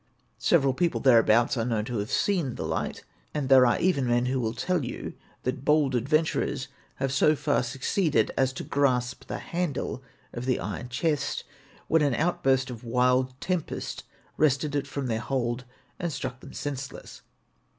Several people thereabouts are known to have seen the light, and there are even men who will tell you that bold adventurers have so far succeeded as to grasp the handle of the iron chest, when an outburst of wild tempest wrested it from their hold and struck them senseless.